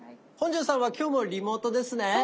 本上さんは今日もリモートですね？